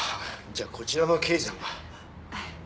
じゃあこちらの刑事さんが。